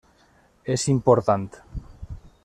És important.